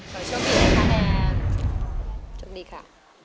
โชคดีนะคะแอร์โชคดีค่ะ